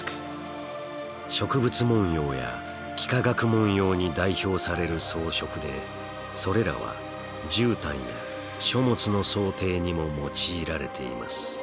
植物文様や幾何学文様に代表される装飾でそれらはじゅうたんや書物の装丁にも用いられています。